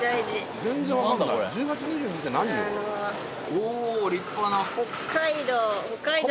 お立派な。